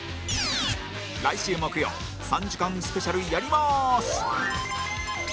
来週木曜３時間スペシャルやりまーす！